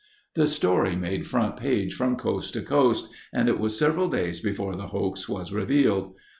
The story made front page from coast to coast and it was several days before the hoax was revealed.